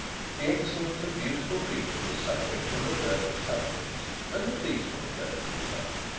The excellent and beautiful creature was suffering from a dearth of subjects when the policemen occurred to her.